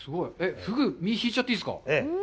フグ、身を引いちゃっていいですか。